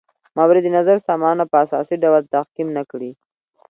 مورد نظر سامانونه په اساسي ډول تعقیم نه کړي.